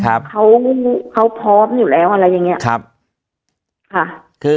เขาพร้อมอยู่แล้วอะไรอย่างเงี้ย